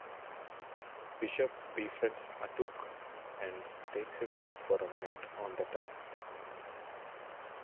Bishop befriends Atuk, and takes him out for a night on the town.